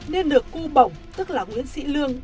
nên được cu bổng tức là nguyễn sĩ lương